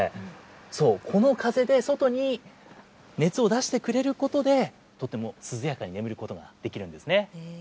そう、この風で外に熱を出してくれることで、とても涼やかに眠ることができるんですね。